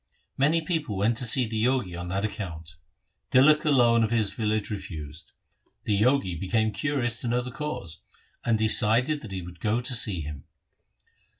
Many persons went to see the Jogi on that account Tilak alone of his village refused. The Jogi became curious to know the cause, and decided that he would go to see him.